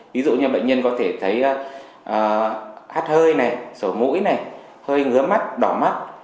ví dụ như bệnh nhân có thể thấy hát hơi sổ mũi hơi ngứa mắt đỏ mắt